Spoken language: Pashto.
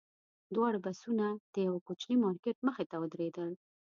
دواړه بسونه د یوه کوچني مارکېټ مخې ته ودرېدل.